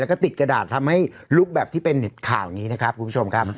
แล้วก็ติดกระดาษทำให้ลุกแบบที่เป็นข่าวนี้นะครับคุณผู้ชมครับ